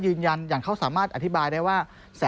ยืนยันอย่างเขาสามารถอธิบายได้ว่า